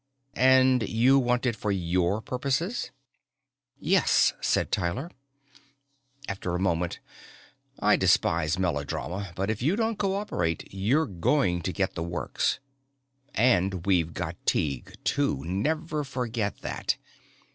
"And you want it for your purposes?" "Yes," said Tyler. After a moment, "I despise melodrama but if you don't cooperate you're going to get the works. And we've got Tighe too, never forget that.